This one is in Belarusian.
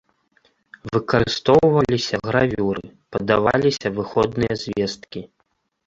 Выкарыстоўваліся гравюры, падаваліся выходныя звесткі.